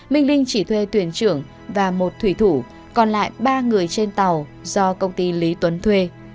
minh linh chỉ thuê tuyển trưởng và một thủy thủ còn lại ba người trên tàu do công ty lý tuấn thuê